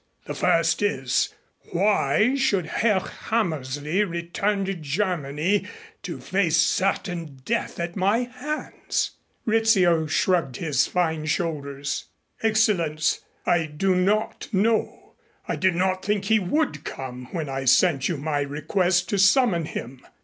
The first is, why should Herr Hammersley return to Germany to face certain death at my hands?" Rizzio shrugged his fine shoulders. "Excellenz, I do not know. I did not think he would come when I sent you my request to summon him.